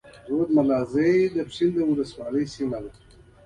رود ملازۍ د پښين اولسوالۍ سيمه ده.